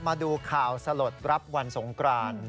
มาดูข่าวสลดรับวันสงกราน